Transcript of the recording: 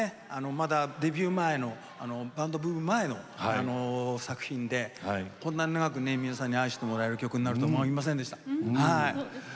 まだデビュー前のバンドブーム前の作品でこんなに長くね皆さんに愛してもらえる曲になると思いませんでした。